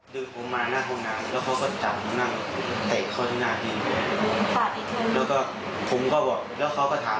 โดนอาสาห์ตีมาเมื่อคืนนี้ก็เลยสอบถาม